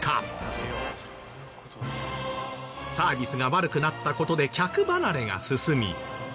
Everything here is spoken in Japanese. サービスが悪くなった事で客離れが進み。